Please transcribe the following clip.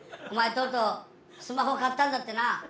お前とうとうスマホ買ったんだってな。